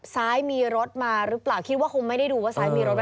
ซ้ายมีรถมาหรือเปล่าคิดว่าคงไม่ได้ดูว่าซ้ายมีรถไหม